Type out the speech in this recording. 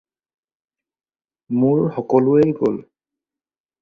মোৰ সকলোয়েই গ'ল